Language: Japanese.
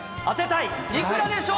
当てたい。